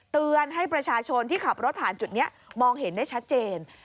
เตือนให้ประชาชนที่ขับรถผ่านจุดนี้มองเห็นได้ชัดเจน